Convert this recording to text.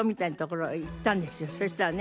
そしたらね